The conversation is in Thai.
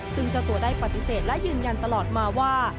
ซึ่งเจ้าตัวได้ปฏิเสธและยืนยันตลอดมาว่า